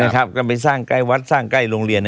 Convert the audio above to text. ก็ไปสร้างใกล้วัดสร้างใกล้โรงเรียน